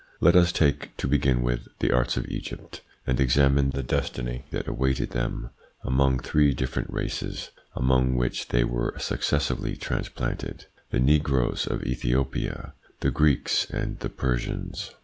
Let us take, to begin with, the arts of Egypt, and examine the destiny that awaited them among three different races among which they were successively transplanted : the negroes of Ethiopia, the Greeks, and the Persians.